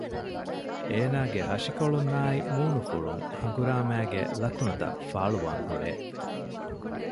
އޭނާގެ ހަށިކޮޅުންނާއި މޫނުފުޅުން ހަނގުރާމައިގެ ލަކުނުތައް ފާޅުވާން ހުރޭ